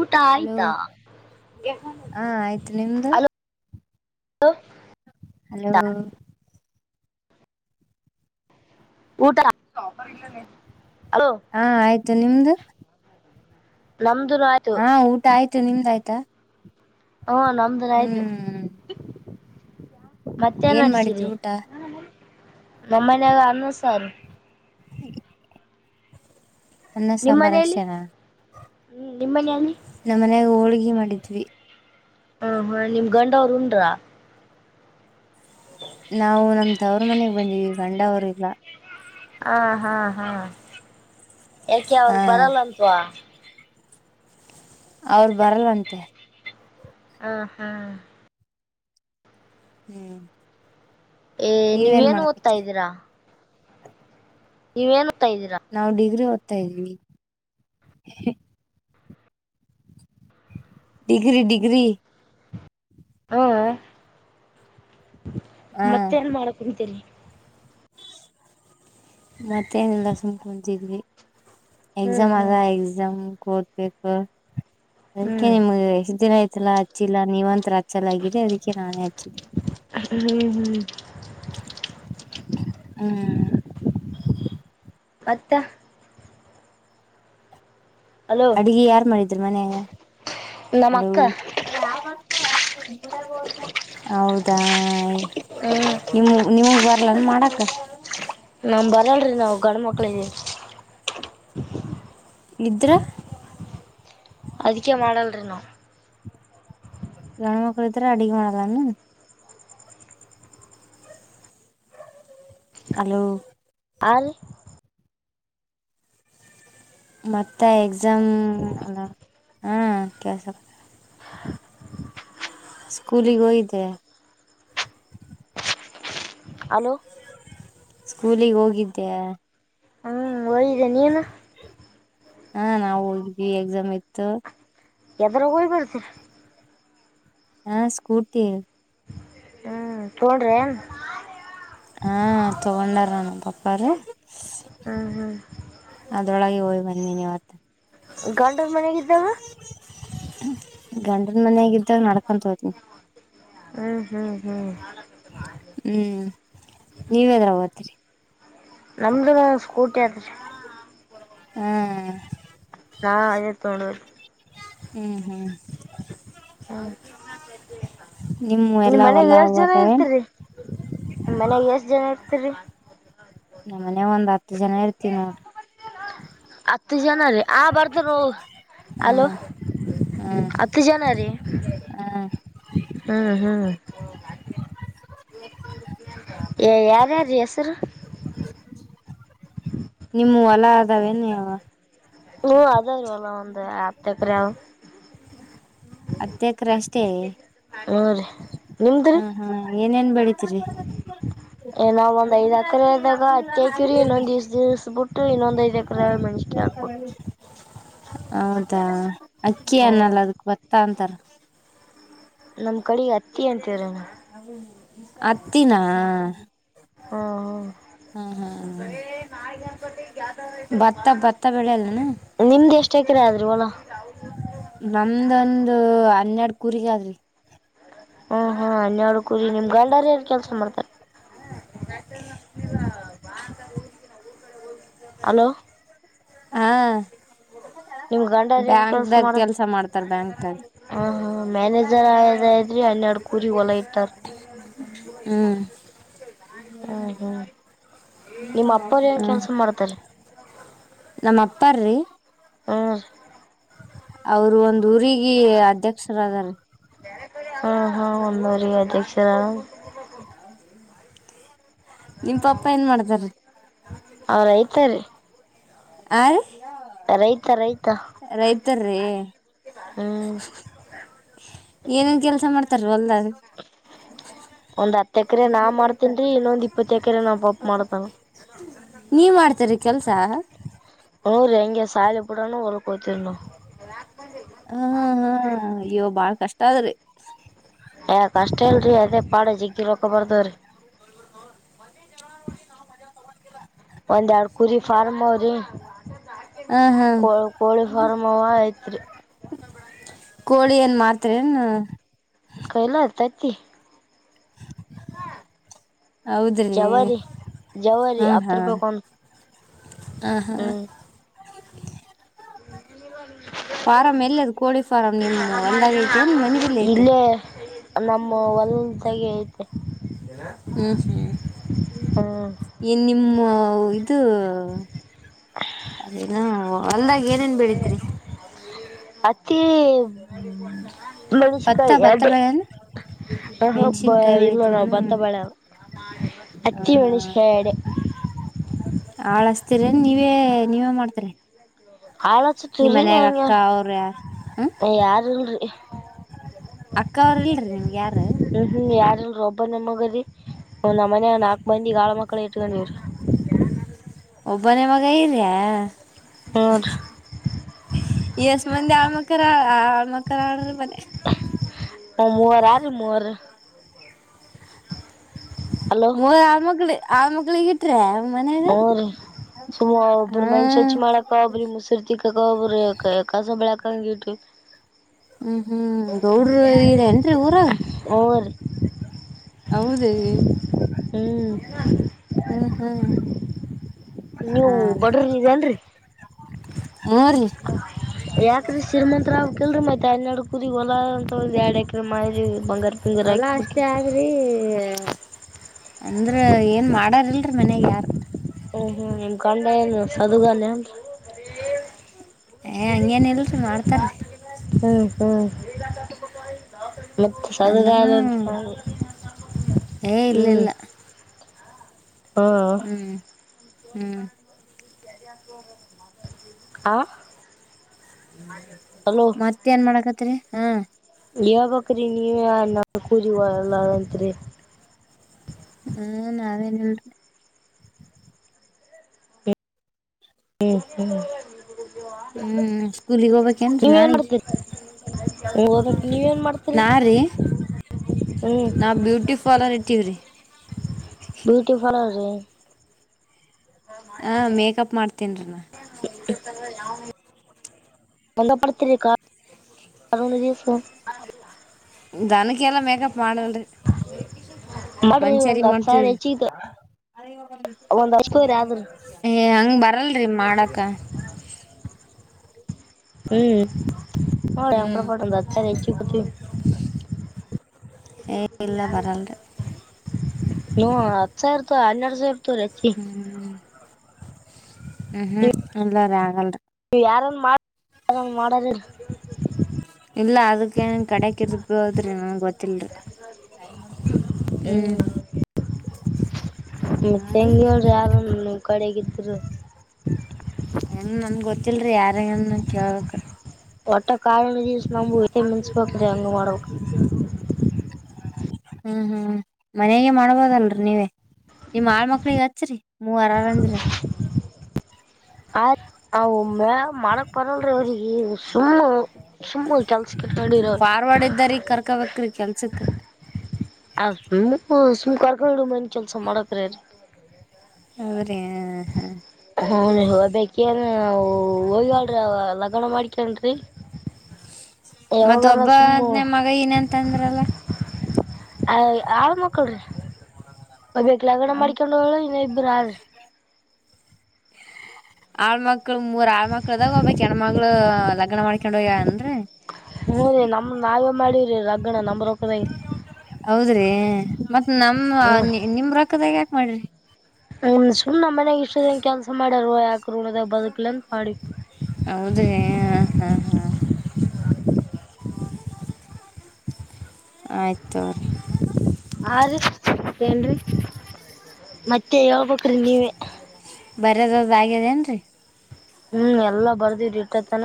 ಊಟ ಹಲೋ ಆಯ್ತಾ ಹಾ ಆಯ್ತು ನಿಮ್ದು ಅಲೋ ಹಲೋ ಊಟ ಹಲೋ ಹಾ -ಆಯ್ತು ನಿಮ್ದು ನಮ್ದ ಆಯ್ತು ಹಾ ಊಟ ಆಯ್ತು ನಿಮ್ದ ಆಯ್ತಾ. ಹ್ಮ- ನಮ್ದನ ಆಯ್ತು ಹ್ಮ್ ಮತ್ತೆನ್ ಏನ್ ಮಾಡಿದ್ರಿ ನಡಸಿರಿ ಊಟ ನಮ್ಮನಾಗ ಅನ್ನ್ ಸಾರ. ಅನ್ನ ನಿಮ್ ಮನೇಲಿ ಸಂಭರಕ್ಷರ ಹ್ಮ್ -ನಿಮ್ಮನಲ್ಲಿ ಹೋಳ್ಗೆ ಮಾಡಿದ್ವಿ. ಹ- ಹಾ- ನಿಮ್ಮ ಗಂಡವರು ಉಂಡ್ರಾ. ನಾವು ನಮ್ದವ್ರ ಮನೆಗ್ ಬಂದಿವವಿ ಗಂಡವರುಗ. ಹಾ -ಹಾ- ಹಾ- ಯಾಕೆ ಹ ಅವ್ರಗ್ ಬರಲ್ಲಂತ್ವಾ. ಅವರು ಬರಲ್ಲಂತೆ ಆ -ಹಾ ಹ್ಮ್- ಏ ನೀವೇನ್ -ನೀವೇಏನು ಓದ್ತಾ ಮಾಡಕತ್ರಿ ಇದ್ದೀರಾ. ಇವೇನು ನಾವ್ ಡಿಗ್ರಿ ಓಡ್ತಾ ಇದ್ವಿ ಡಿಗ್ರಿ ಡಿಗ್ರಿ ಹಾ- ಮತ್ತೇ ಏನ್ ಮಾಡಕ್ ಕುಂತೀನಿ ಮತ್ತೇನೆಲ್ಲ ಸುಮಕೊಂತಿದ್ವಿ ಹ್ಮ್ ಎಕ್ಸಾಮ್ ಹ್ಮ್ ಅಗ ಎಕ್ಸಾಮ್ ಕೂದಬೇಕು ಅದಕ್ಕೆ ಹ್ಮ್ ನಿಮ್ಗೆ ಎಷ್ಟ್ ದಿನ ಆಯತಲ್ಲಾ ಹಚ್ಚಿಲ್ಲಾ ನೀವ್ಂತ ಚೆಲಾಗಿದೆ ಅದಕ್ಕೆ ನಾನೇ ಹಚ್ಚಿದ್ದೀನಿ ಹ್ಮ್ ಹ್ಮ್ ಹ ಮತ್ತೆ ಹಲೋ ಅಡ್ಗಿ ಯಾರ್ ಮಾಡಿದ್ರ ಮನೆಯ ನಮ್ಮ ಅಲ. ಅಕ್ಕ ಹೌದಾ- ಹ್ಮ್ ನಿ- ನಿಮಗ್- ಬ ಮಾಡಕ್ ನಮ್ ಬರಲ್ರಿ ನಾವು ಗಂಡ ಮಕ್ಳ ಇದೀವಿ ಇಗ [unintelligible] ಅದಕ್ಕೆ ಮಾಡಲ್ರಿ ನಾ. ಗಂಡ ಮಕ್ಳು ಇದ್ರೆ ಅಡಗ್ ಮಾಡಿದ್ದಾನೆಂದು ಹಲೋ ಆಲ್ ಮತ್ತೆ ಎಕ್ಸಾಮ್ ಅಲ್ಲ -ಹಾ- ಕಳ್ಸ ಸ್ಕೂಲಿಗೆ ಹೋಗಿದ್ದ ಅಲೋ ಸ್ಕೂಲಿಗೆ ಹೋಗಿದ್ದೆ ಹ್ಮ್ ಹೋಗಿದೆ ನೀನು. ಹಾ- ನಾವವು ಹೋಗಿದ್ವಿ ಎಕ್ಸಾಮ್ ಇತ್ತು. ಎಾ‌ದರಗಯ್ಬತ ಹಾ ಸ್ಕೂರ್ಟಿ ಹ್ಮ್ ತೋಡ್ರ ಹಾ ತೊಗೊಂಡರನು ಪಪ್ಪಾರ ಹ್ಞೂ ಹ್ಞೂ ಅದ್ರೊಳಗೆ ಹೋಗ್ ಬನ್ನಿವತ್ತ ಗಾಂಡರ್ ಮನಗಿದ್ದಾವ ಗಂಡನ್ ಮನ್ಯಾಗ ಇದ್ದಾಗ ನಡ್ಕಂತ ಹೋತನಿ ಹ್ಮ ಹ್ಮ್ ನೀವೇದ್ರಗ ಓತರಿ. ನಮ್ದು ಸ್ಕೂಟಿ ಆದ್ರಿ [unintelligible] ಹ್ಮ್ ಹಾ ಅಯ ತೊಗೊಂಡರ್ ಹ್ಮ್ ಹ್ಮ್ ಹ ನಿಮ್ [unintelligible] ನಿಮ ಎಲ್ಲ ಮನೆಗ್ ಹೊಲ ಎಷ್ಟ ಜನ ಅವದಾವೇನ್ ಇರ್ತರಿ. ಮನ್ಯಗ ಎಷ್ಟ ಜನ ಇರ್ತ್ರಿ ನ ಮನ್ಯಗ ಒಂದ್ ಹತ್ತು ಜನ ಇರ್ತವ್ ನೋಡ್. ಹತ್ತು ಜನ ರೀ ಆ ಬರ್ತೀನಿ ಹೋಗುನ ಹಾ ಅಲೋ ಹಾ ಹತ್ತು ಜನರಿ ಹಾ ಹ್ಮ್ ಹ್ಮ್ [unintelligible] ಯ ಯಾರ್ಯಾರ್ ರಿ ಹೆಸರ್ ಎಲ್ಲಾ ಅದವೇನ ಇ ಹ ಅದವರಿ ಹೊಲ ಒಂದ ಹತ್ತು ಎಕರೆ ಆವ ಹತ್ತ ಎಕ್ರ ಅಷ್ಟೇ ಹ್ಞೂ ರೀ ನಿಮ್ದು ರೀ ಹ್ಮ್ ಹ್ಮ್ ಏನೇನ್ ಬೆಳ್ ತಿರಿ ಏನ ಒಂದ್ ಒಂದ್ ಐದ್ ಎಕ್ರೆದಗ ಹಕ್ಯಕಿವ್ರಿ ಇನ್ನೊಂದ ದಿವ್ ದಿಸಸ್ಬ ಬಿಟ್ಟು ಇನ್ನೊಂದ್ ಐದ್ ಎಕ್ರೆ ಮೆಣಸ್ಕೈ ಹಾಕ್ಬೇಕ್. [inaudible] ಹೌದಾ ಅಕ್ಕಿ ಹ್ಮ್ ಅನ್ನಲ್ಲ ಅದಕ್ ಬತ್ತ ಅಂತರ. ನಮ್ ಕಡೆ ಅತ್ತಿ ಅಂತ್ [unintelligible] ಅತ್ತಿನಾ ಹಾ ಹ ಹ ಹ [unintelligible] ಭತ್ತ ಭತ್ತ ಬೆಲೆಲ್ಲೆನ್ ನಿಮ್ದ ಎಷ್ಟ ಎಕ್ರೆ ಆದ್ರಿವಲ. ನಮ್ದೊಂದು ಹನ್ನೆರಡು ಕುರಿಗ್ ಆದ್ರಿ. ಹ್ಮ ಹ್ಮ್ ಹನ್ಯರಡುಕೂರಿ ನಿಮ್ ಗಂಡರ್ ಯಾರ ಕೆಲ್ಸ ಮಾಡ್ತರೆ. [inaudible] ಹಲೋ ಹ ನಿಮ್ [unintelligible] ಗಂಡಾರ ಏನ್ ಬ್ಯಾಂಕ್ದಾಗ ಕೆಲ್ಸ ಮಾಡ್ತಾರ ಬ್ಯಾಂಕ್ದಾಗ. ಹ್ ಹ್ಮ ಮ್ಯಾನೇಜರ್ ಆದ ಇದ್ರರಿ ಹನ್ನೆರಡು ಕುೂರಿಗ್ ಹೊಲ ಇಟ್ಟಾರ. ಹ್ಮ್ ಹ್ಮ್ ಹ್ಮ್ ನಿಮ್ ಅಪ್ಪರ್ [unintelligible] ಹ್ಮ ಏನ್ ಕೆಲ್ಸ ಮಾಡ್ತಾರಿ [inaudible] ನಮ್ಮ ಅಪ್ಪಾರಿ ಹ ಅವರು ಒಂದ್ ಊರಿಗೆ ಅಧ್ಯಕ್ಷರದರ್. ಹ್ಮ ಹ ಒಂದೂರಿಗೆ ಅಧ್ಯಕ್ಷರದರ. ನಿಮ್ ಪಪ್ಪ ಏನ್ ಮಾಡ್ತಾರಿ ಅವ್ರ ರೈತಾರಿ [unintelligible] ಹ ರೈತಾ ರೈತಾ [unintelligible] ರೈತರ್ರಿ ಹ್ಮ್ ಏನೇನ್ ಕೆಲ್ಸ ಮಾಡ್ತಾರಿ ವಲ್ಡಾಗ್ ಒಂದ್ ಹತ್ತು ಎಕ್ರೆ ನಾವ್ ಮಾಡ್ತಿವ್ರಿ ಇನ್ನೊಂದ್ ಇಪ್ಪತ್ತು ಎಕರೆ ನಪಪ ಮಾಡ್ತಾನ. ನೀವ್ ಮಾಡ್ತೀರಿ ಕೆಲ್ಸ. ಹೂ ರಿ ಅಂಗ ಸಾಲಿ ಬಿಡನ ಹೊಲಕ್ ಒತಿವ್ರಿ ನಾವ್. ಹ ಹ ಇವ ಬಾಳ್ ಕಷ್ಟ ಆದ್ರಿ. ಏ ಕಷ್ಟ ಇಲ್ರರಿ ಅದೇ ಪಾಡ ಜಗ್ಗಿರೋಕ್ಕ ಬರ್ತಾವ್ರಿ. ಮಂದಿ ಜಗ್ಲ ನೋಡಿ ನಾವ್ ತಗಂತಿಲ್ಲ ಒಂದ್ ಎರಡ್ ಕುರಿ ಫಾರ್ಮ್ ಆವ್ರಿ ಹಾ ಹಾ [unintelligible] ಕೋ ಕೋಳಿ ಫಾರ್ಮ್ ನ ಐತ್ರಿ. ಕೋಳಿ ಏನ್ ಮಾರ್ತ್ರಿ ಏನ್ ಕಲತತಿ [inaudible] [inaudible] ಹೌದ್ರಿ, ಜವಾರಿ ಜವಾರಿ ಹ್ಮ್, ಹತ್ತು ಹ್ಮ್ ರೂಪಾಯಿ ಒಂದು ಹ [unintelligible] ಹಾ ಎ [inaudible] ಫಾರಂ ಎಲ್ಲಾದು ಕೋಳಿ ಫಾರಂ ನಿಮ್ಮ್ ಒಲದಾಗ ಐತೆ ಏನ್ ಮನೆ ಬಲ್ಲಿ ಐತೆ. ಇಲ್ಲೇ ನಮ್ಮ ಒಲ್ದ ಗ ಐತೆ. ಹ್ಮ್, ಹ್ಮ್ ಹ್ಮ್ ಏನ್ ನಿಮ್ಮ ಇದು,, ಅದೇನು ಹೊಲ್ದಾಗ ಏನೇನ್ ಬೆಳತ್ರಿ, ಭತ್ತ ಹತ್ತಮೆಣಸಿಕಾಯಿ ಭತ್ತ ಎರ್ಡೆ, ಬೆಳೆಯಲ್ಲ ಹ ಹಬ್ಬ ಮೆಣಸಿನ್ಕಾಯಿ ಇಲ್ಲ ಬೆಳಿತೀರಿ ನಾ ಬತ್ತ ಬಾಳೆ [unintelligible] ಹತ್ತಿ ಮೆಣಸಿನಕಾಯಿಎರಡೆ. ಹಾಳಸ್ತೀರೇನ್ ನೀವೇ- ನೀವೇ ಮಾಡ್ತರಿ, ನಿಮ್ಮ ಹಾಳಚ್ಚತ್ವ್ರೀ ಮನಯಾಗ ಹಂಗ ಅಕ್ಕ ಅವ್ರ ಯಾರ್ ಹ್ಮ, ಯಾರಿಲ್ರಿ ಅಕ್ಕ ಅವ್ರ ಇಲ್ರಿ ನಿಮ್ಗೆ ಯಾರ ಒಬ್ಬನೆ ಮಗರಿ ನಮ್ಮ ಮನಾಗನಾಲ್ಕು ಮಂದಿ ಹಾಳ ಮಕ್ಕಳ ಇಟ್ಕೊಂಡ್ರೀನ್ರಿ. ಒಬ್ಬನೇ ಮಗ ಇದ್ಯಾ, ಹ್ಞೂರಿ ಎಷ್ಟ ಮಂದಿ ಆಳ್ಮಕ್ಕರ -ಆ್ಮಕ್ಕರ ಆರ್ರಿ ಮತ್ತೆ, ಹ [inaudible] ಮೂವರ ಆರಿ ಮೂರು ಹಲೋ ಮೂರ್ ಆಳ್ ಮಕ್ಳಿ ಆ ಮಕ್ಳಿಗೆ ಇಟ್ರೆ, ಅವ [unintelligible] ಸುಮ್ ಒಬ್ಬರು ಹಾ ಮನಿ ಸ್ವಚ್ಛಿಮಾಡಕ ಒಬ್ಬ್ರು, ಮುಸಿರ್ ತಿಕ್ಕಕ್ಕ ಒಬ್ಬ್ರು, ಕಸ ಬೆಳ್ಯಾಕ ಒಬ್ರು ಕಂಗಟ [unintelligible] ಹ್ಮ್, ಹ್ಮ್ ಗೌಡ್ರು ಇದ್ರೇನಏನ್ರಿ ಊರಾಗ. ಹ್ಞೂ ರೀ ಹೌದೇ, ಹ್ಮ್ ಹ್ಂ, ಹ್ಂ ನೀವು ಬಡ್ರಗಿದ ಅಲ್ರರಿ ಹ್ಮ್ ರೀ ಯ [unintelligible] ನೀವು ಶ್ರೀಮಂತರಾಗಬೇಕ್ಲ್ರಿ ಮತ್ತೆ ಹನ್ನೇರಡ ಕುರಿಗಿ ಹೊಲ ಅಂತ ಎರಡ ಎಕ್ ಮಾಡಿ ಬಂಗರ್ ಪಿಂಗರ ಹೊಲಾ ಆಾಕಿಬಟ್ಟಿ ಅಷ್ಟೇ ಆದ್ರಿ [unintelligible] ಅಂದ್ರ ಏನ್ ಮಾಡಾರಿಲ್ರಿ ಮನ್ಯಾಗ ಯಾರು ಹ್ಮ್, ಹ್ಮ್ ನಮ ಗಂಡೇನ [unintelligible] ಸದುುಖಾನೇ ಏಯ್ಹಂಗೇನ್ ಇಲ್ರಿ ಮಾಡ್ತಾರಿ. ಹ್ಮ್, ಹ್ಮ್ ಮತ್ತು ಸದಗಾಲ ಅಂದ್ರನು ಹ್ಞ ಏ ಇಲ್ಲ ಇಲ್ಲ [unintelligible] ಹಾ, ಹ್ಮ್ ಹ್ಮ್, ಹ [inaudible] ಮತ್ತೇ ನ್ ಮಾಡಾಕತ್ರಿಹಾ ಯಾವ ಬಕ್ರೀ ನೀವ ನಾಲ್ ಕುೂಜಗಲ್ಲತ್ರಿ [unintelligible] ಹ್ಮ್, ನಾವೇನಲ್ರಿರಿ [unintelligible] ಹ್ಮ್, ಹ್ಮ ಹ್ಮ್, ಸ್ಕೂಲಿಗಿಹೋಗ್ಬೇಕೇನ್ರಿ ನಾಳಿಗಿ. ಹೋಗಬೇಕು ನೀವೇನ್ ಮಾಡ್ತೀರಿ. ರೀ ಹ್ಮ್ ನಾ, ಬ್ಯೂಟಿ ಪಾರ್ಲರ್ ಇಟ್ಟೀವ್ರಿ. ಬ್ಯೂಟಿ ಪಾರ್ಲರ್ ರಿ ಹಾ, ಮೇಕಪ್ ಮಾಡ್ತೇನ್ರೀ ನಾನು. ಯಾವ [inaudible] ಒಂಗ ಪಡತರಿಕ್ಕಾ ಅ ದಿವಸ [unintelligible] ದನಕ್ಕೆಲ್ಲ ಮೇಕಪ್ ಮಾಡಲ್ರಿ ಮಾಡ್ರಿ ಒಂದ್ ಮನಿಷರಿಗಿ ಹತ್ ಸಾವಿರ ಮಾಡ್ತವ್ರಿ. ಹೆಚ್ಚಿಗೆ ಒಂದ್ ಹಚ್ಕೋರಿ ಆದ್ರ ಏಯ್ಹಂಗ ಬರಲ್ರಿ ಮಾಡಾಕ. ಹ್ಮ್ ಹೊಳೆ ಅ್ರ ಹ್ಮ್ ಪಟ್ಟದ ಅ ಹೆಚ್ಚುಕುದು. ಹೇ ಇಲ್ಲಾ ಬರಲ್ ರಿ. ನೂ ಹತ್ತು ಸಾವಿರ ಇರ್ತ ಹನ್ನೆರಡು ಸಾವಿರ. ಇರ್ತವ್ರೀ ಹೆಚ್ಚಿ ಹ್ಮ್ ಹ್ಮ್ ಹ್ಮ್ ಇಲ್ಲ ರಿ ಆಗಲ್ರಿ. ನೀ ಯಾರನ್ ಮಾಡ ಯಾರನ್ ಮಾಡೋರಿಲ. ಇಲ್ಲ ಅದಕ್ಕ ಏನ್ ಕಡೆಕ್ ಇರ್ಬೋದ್ರಿ ನನ್ಗ್ ಗೊತ್ತಲ್ರಿ. ಹ್ಮ್. ಮತ್ ಹೆಂಗೆ ಹೇಳ ಯಾರನ ನಿಮ್ ಕಡೆಗ ಇದ್ರ. ಹೆಂಗ ನಂಗ್ ಗೊತ್ತಿಲ್ರಿ ಯಾರಿಗನ ಕೇಳ್ಕ್ ರಿ. ಒಟ್ಟ ಕಾರ್ ಹುಣ್ಣಿಮೆ ದಿವಸ್ ನಮ್ಮ ಎತ್ತಿಗ ಮುನ್ನಸಬೇಕ ರಿ ಹಾಂಗ ಮಾಡಬೇಕ. ಹ್ಮ್ ಹ್ಮ್ಹ್ಮ್ಮ್ ಮನೆಗೆ ಮಾಡ್ಬೋದಲ್ರರಿ ನೀವೇ ನಿಮ್ ಆಳ ಮಕ್ಕಳಿಗೆ ಹಚ್ಚರಿ. ಮೂವರ ಅರವ ಅಂದ್ರ. ಆ ಅವ ಮನ್ಯಾಗ ಮಾಡಕ್ ಬರಲ್ರಿ ಅವರಿಗೆ ಸುಮ್ಮ ಅವ. ಸುಮ್ಮ ಕೆಲಸಕ್ಕೆ ಇಟ್ಕೊಂಡಿನಿ ಅವರನ್ನ. ಫಾರ್ವರ್ಡ್ ಇದ್ದಾರಿ ಕರ್ಕೋಬೇಕ್ರಿ ಕೆಲ್ಸಕ್ [unintelligible] ಹ್ಮ ಹೊ ಸುಮ್ ಕಾರ್ಕೊಂಡಡು ಮನ್ ಕೆಲ್ಸ ಮಾಡಕ್ ರಿ. ಹೂ ರಿ ಅ ಹ. ಹೂ ರಿ ಹೋಗಬೇಕೆ ಅಲ್ಲ ರಿ ನಾವು ಹೋಗೆವ ಅಲ್ರೀ ಅವಾಗ ಲಗನ್ ಮಾಡ್ಕೆಂಡ ರಿ. ಮತ್ತ ಒಬ್ಬದ ನೆ ಮಗ ಏನ ಏನ ತಂದ್ರಲ. ಅ ಆಳ ಮಕ್ಕಳ ರಿ. ಒಬ್ಬಕಿ ಲಗಣ ಮಾಡಿಕೊಂಡು ಹೋಗಳ ಇನ್ನು ಇಬ್ಬರು ಆ್ರರಿ. ಆಳ್ ಮಕ್ಕಳ ಮೂರ್ ಆಳ್್ಮಕ್ಳ ಅದಾವು ಒಬ್ಬಳ ಹೆಣ್ಣುಮಗಳ. ಲಗ್ನ ಮಾಡ್ಕೊಂಡ ಹೋಗ್ಯವ ಆನ್ ರಿ. ಹ್ಮ ರೀ ನಮ್ ನಾವೇ ಮಾಡಿವವ್ರೀ ಲಗ್ನ ನಮ್ಮ ರೊಕ್ಕದಾಗೆ. ಹೌದ್ರಿ ಮತ್ತ್ ನಮ್ಮ ನಿಮ್ ರೊಕ್ಕದಾಗ ಯಾಕ ಮಾಡ್ರಿ. ಹನ್ ಸುಮ್ಮ ನಮ್ ಮನ್ಯಾಗ ಇಷ್ಟು ದಿನ ಕೆಲ್ಸ ಮಾಡ್ಯಾರ ಯಾಕ ಋಣ ದಗ ಬದುಕ್ಲ ಅಂತ ಮಾಡಿವಿ. ಹೌದ ರಿ ಹಾ ಹಾ ಹಾ. ಆಯ್ತು ತಗೋ ರಿ. ಆ ರೀ ಮತ್ತೆ ಹೇಳ್ಬೇಕ್ರೀ ನೀವೇ. ಬೇರೆ ದವರ ಆಗೇದ ಏನ್ರೀ. ಹ್ಮ್ ಎಲ್ಲಾ ಬರ್ದವ್ರಿರಿ ಇಟ್ಟತನ.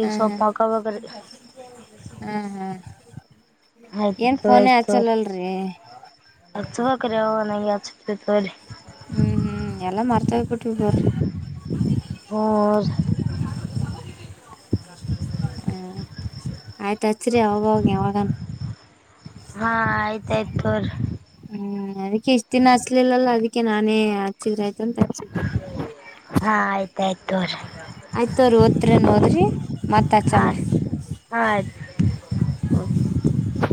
ಹ ಸ್ವಲ್ಪ ಹಾಕೋಬೇಕ್ರಿ ಹ ಹ ಹ. ಏನ್ ಫೋನ ಆಚಲ್ಲ ಅಲ್ಲ ರಿ. ಅಚಲಾಕರಿ ಅವ ನಂಗೆ ಹಚಾತೀವಿ ತೊಗೊ ರಿ. ಹ್ಮ್ ಹ್ಮ್ ಎಲ್ಲಾ ಮರ್ತ ಬಿಟ್ಟಬಿಟೆವ ರಿ. ಹೂ ಹೂ ರಿ. [unintelligible] ಹ್ಮ ಆಯ್ತ ಹಚ್ಚರಿ ಅವಾಗ ಯಾವಾಗನ್. ಹಾ ಆಯ್ತಾ ಆಯ್ತ ತೊಗೊ ರಿ. ಹ್ಮ್ ಅದಕ್ಕೆ ಎಷ್ಟ್ ದಿನ ಅಸ್ಲಿಲ್ಲಲ್ಲಾ ಅದಕ್ಕೆ ನಾನೇ ಆಚಿದ್ರೆ ಆಯ್ತ. ಅಂತ ಹಚ್ಚಿನಿ. ಹಾ ಆಯ್ತಾಯ್ತು ತೋರಿ ಆಯ್ತು ತೊರಿ ಓದ್ತಿರೇನ ಓದ್ರಿ ಮತ್ತ ಹಾ ಅಚ್ಚಮ್ ರಿ. ರೀ ಹಾ ಆಯ್ತು ಹ್.